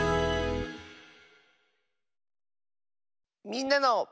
「みんなの」。